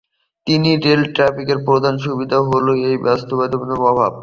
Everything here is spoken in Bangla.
তিন রেল ট্র্যাকের প্রধান অসুবিধা হলো এর বাস্তবতাবোধের অভাব।